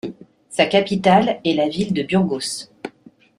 Sa capitale est la ville de Burgos.